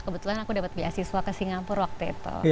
kebetulan aku dapat beasiswa ke singapura waktu itu